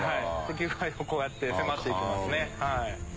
求愛こうやって迫っていきますね。